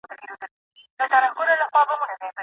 د ټولني خوار خلګ مرستې ته اړتیا لري.